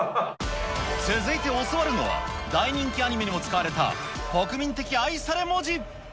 続いて教わるのは、大人気アニメにも使われた、国民的愛され文字。